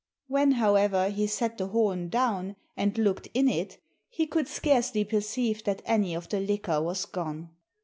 When, however, he set the horn down and looked in it he could scarcely perceive that any of the liquor was gone.